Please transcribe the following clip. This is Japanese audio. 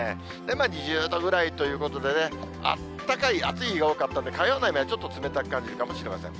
２０度ぐらいということでね、あったかい、暑い日が多かったんで、火曜の雨はちょっと冷たく感じるかもしれません。